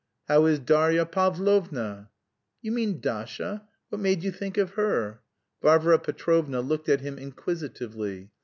"How is Darya Pavlovna?" "You mean Dasha? What made you think of her?" Varvara Petrovna looked at him inquisitively.